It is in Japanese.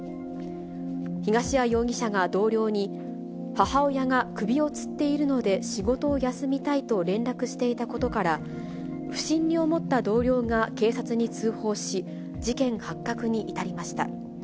東谷容疑者が同僚に、母親が首をつっているので仕事を休みたいと連絡していたことから、不審に思った同僚が警察に通報し、事件発覚に至りました。